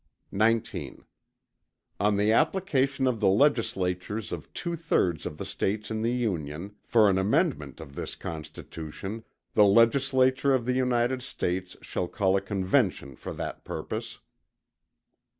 XVIIII On the application of the Legislatures of two thirds of the States in the Union, for an amendment of this Constitution, the Legislature of the United States shall call a Convention for that purpose.